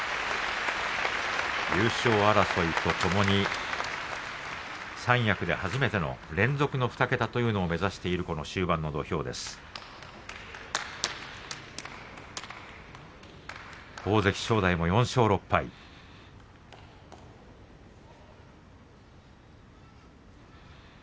優勝争いとともに三役で初めての連続２桁というのを目指す終盤の土俵、御嶽海。